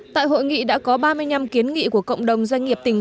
tại hội nghị đã có ba mươi năm kiến nghị của cộng đồng doanh nghiệp tp hcm